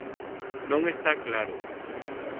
Non está claro.